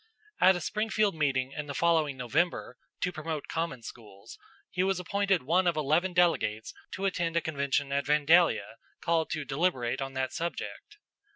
At a Springfield meeting in the following November to promote common schools, he was appointed one of eleven delegates to attend a convention at Vandalia called to deliberate on that subject.